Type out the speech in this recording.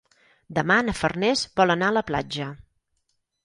Demà na Farners vol anar a la platja.